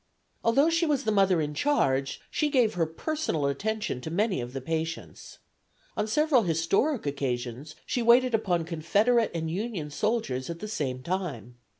Although she was the Mother in charge, she gave her personal attention to many of the patients. On several historic occasions she waited upon Confederate and Union soldiers at the same time.